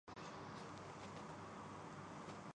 خیالوں میں گم ہو جانا پسند کرتا ہوں